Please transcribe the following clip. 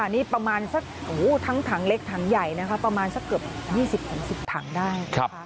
นี่ประมาณสักทั้งถังเล็กถังใหญ่นะคะประมาณสักเกือบ๒๐๑๐ถังได้